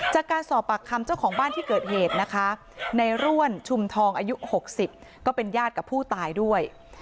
จากการสอบปากคำเจ้าของบ้านที่เกิดเหตุนะคะในร่วนชุมทองอายุ๖๐ก็เป็นญาติกับผู้ตายด้วย